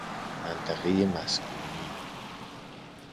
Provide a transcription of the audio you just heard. منطقه مسکونی